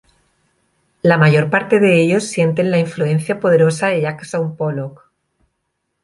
La mayor parte de ellos sienten la influencia poderosa de Jackson Pollock.